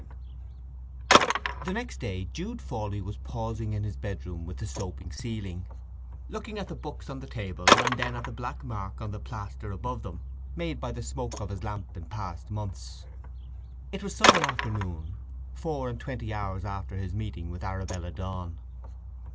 VII The next day Jude Fawley was pausing in his bedroom with the sloping ceiling, looking at the books on the table, and then at the black mark on the plaster above them, made by the smoke of his lamp in past months. It was Sunday afternoon, four and twenty hours after his meeting with Arabella Donn.